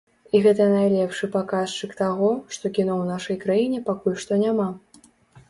І гэта найлепшы паказчык таго, што кіно ў нашай краіне пакуль што няма.